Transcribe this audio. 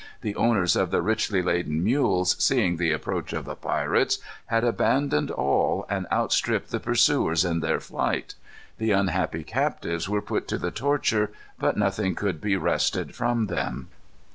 The owners of the richly laden mules, seeing the approach of the pirates, had abandoned all, and outstripped the pursuers in their flight. The unhappy captives were put to the torture, but nothing could be wrested from them.